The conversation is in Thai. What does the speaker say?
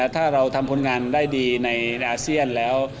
ถ้าเราทำผลงานได้ดีในอาเซียนแล้ว